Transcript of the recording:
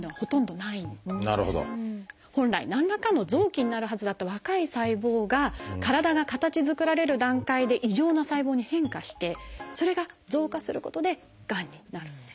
本来何らかの臓器になるはずだった若い細胞が体が形づくられる段階で異常な細胞に変化してそれが増加することでがんになるんです。